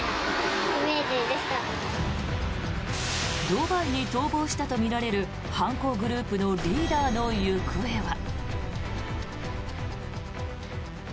ドバイに逃亡したとみられる犯行グループのリーダーの行方は？